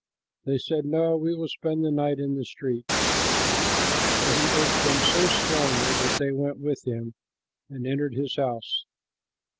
They said, "No, we will spend the night in the street." But he urged them so strongly that they went with him and entered his house.